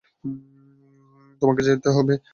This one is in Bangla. তোমাকে যাইতেই হইবে।